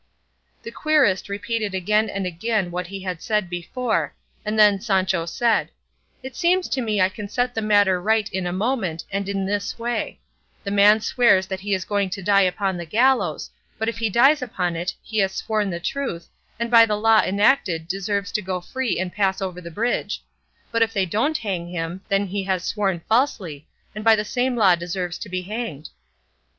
The querist repeated again and again what he had said before, and then Sancho said, "It seems to me I can set the matter right in a moment, and in this way; the man swears that he is going to die upon the gallows; but if he dies upon it, he has sworn the truth, and by the law enacted deserves to go free and pass over the bridge; but if they don't hang him, then he has sworn falsely, and by the same law deserves to be hanged."